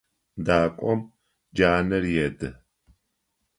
Дакӏом джанэр еды.